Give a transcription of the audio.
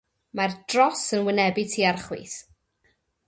Mae'r dros yn wynebu tua'r chwith.